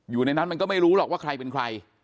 อยู่ในนั้นมันก็ไม่รู้หรอกว่าใครเป็นใคร